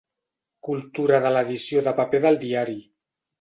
Cultura de l'edició de paper del diari.